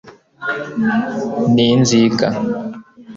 n'inzika